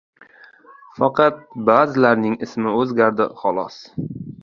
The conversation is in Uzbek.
Faqat ba’zilarining ismi o‘zgardi, xolos.